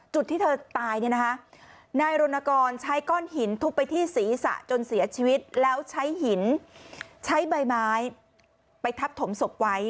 ที่เธอตายเนี่ยนะคะนายรณกรใช้ก้อนหินทุบไปที่ศีรษะจนเสียชีวิตแล้วใช้หินใช้ใบไม้ไปทับถมศพไว้